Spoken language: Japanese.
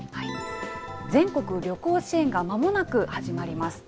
全国旅行支援がまもなく始まります。